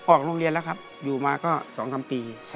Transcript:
ออกโรงเรียนแล้วครับอยู่มาก็๒๓ปี